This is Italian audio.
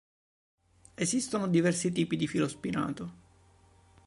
Esistono diversi tipi di filo spinato.